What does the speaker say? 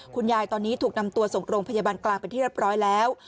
คุณยายตอนนี้ถูกนำตัวส่งโรงพยาบาลกลางเป็นที่เรียบร้อยแล้ว